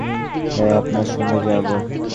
হ্যাঁ, আপনার সঙ্গে যাব।